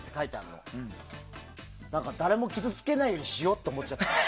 だから、誰も傷つけないようにしようって思っちゃった。